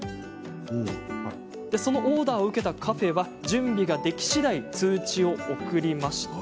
そのオーダーを受けたカフェは準備ができしだい通知を送り